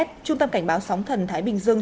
trung tâm cảnh báo sóng thần thái bình dương